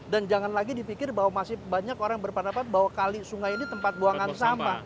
dan jangan lagi dipikir bahwa masih banyak orang berpendapat bahwa kali sungai ini tempat buangan sampah